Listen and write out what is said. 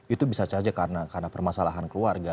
itu bisa saja karena permasalahan keluarga